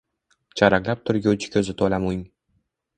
Charaqlab turguvchi ko’zi to’la mung…